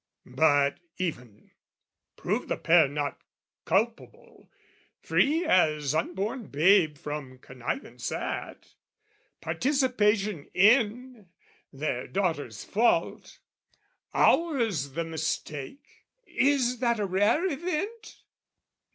But even, prove the pair not culpable, Free as unborn babe from connivance at, Participation in, their daughter's fault: Ours the mistake. Is that a rare event?